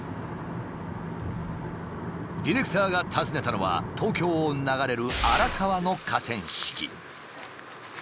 ディレクターが訪ねたのは東京を流れる荒川の河川敷。